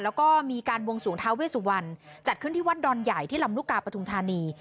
แล้วก็มีการวงสวงท้าเวสุวรรณจัดขึ้นที่วัดดอนใหญ่ที่ลำลูกกาปฐุมธานี